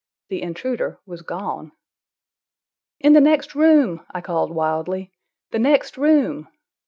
The intruder was gone. "In the next room!" I called wildly. "The next room!"